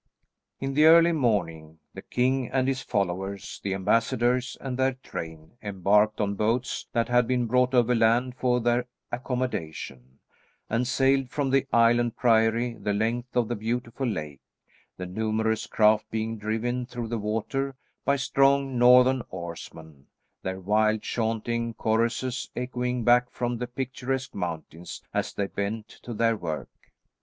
In the early morning the king and his followers, the ambassadors and their train embarked on boats that had been brought overland for their accommodation, and sailed from the Island Priory the length of the beautiful lake; the numerous craft being driven through the water by strong northern oarsmen, their wild chaunting choruses echoing back from the picturesque mountains as they bent to their work.